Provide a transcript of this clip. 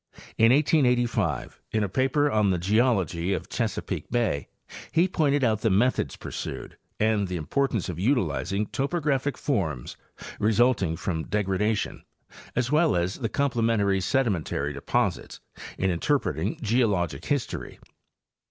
In 1885, in a paper on the geology of Chesapeake bay, he pointed out the methods pursued and the importance of utilizing topo graphic forms resulting from degradation, as well as the comple mentary sedimentary deposits in interpreting geologic history.